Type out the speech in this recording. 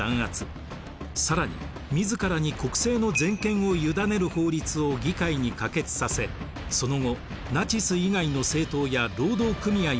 更に自らに国政の全権を委ねる法律を議会に可決させその後ナチス以外の政党や労働組合を解散。